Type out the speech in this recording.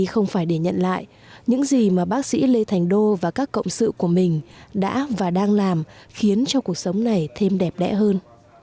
không phải để nhận lại những gì mà bác sĩ lê thành đô và các cộng sự của mình đã và đang làm khiến cho cuộc sống này thêm đẹp đẽ hơn